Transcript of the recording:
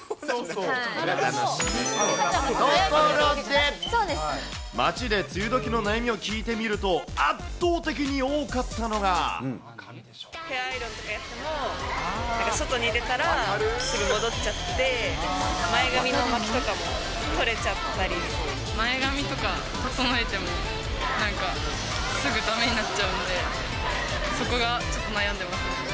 ところで街で梅雨どきの悩みを聞いてみると、圧倒的に多かっヘアアイロンとかやっても、なんか外に出たら、すぐ戻っちゃって、前髪とか整えても、なんかすぐだめになっちゃうんで、そこがちょっと悩んでます。